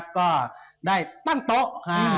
ก็ได้ตั้งโต๊ะ